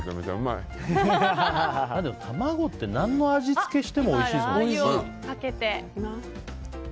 卵って何の味付けしてもおいしいですよね。